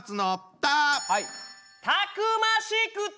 たくましくて。